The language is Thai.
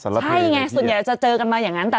แต่ว่าใช่ไงส่วนใหญ่จะเจอกันมาอย่างงั้น